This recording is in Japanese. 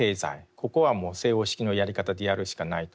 ここはもう西欧式のやり方でやるしかないと。